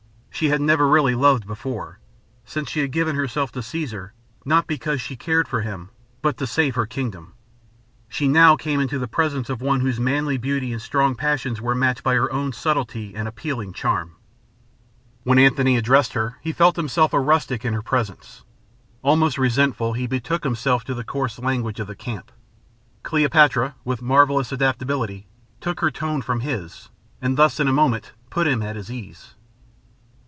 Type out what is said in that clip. She had never really loved before, since she had given herself to Caesar, not because she cared for him, but to save her kingdom. She now came into the presence of one whose manly beauty and strong passions were matched by her own subtlety and appealing charm. When Antony addressed her he felt himself a rustic in her presence. Almost resentful, he betook himself to the coarse language of the camp. Cleopatra, with marvelous adaptability, took her tone from his, and thus in a moment put him at his ease.